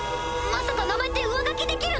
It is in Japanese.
まさか名前って上書きできるの？